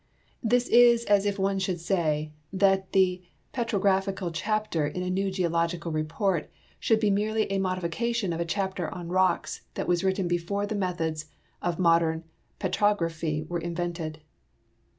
This is as if one should say that a petrographical chapter in a new geological report should be merel}'' a modification of a chapter on rocks that was written before the methods of modern petrography were invented.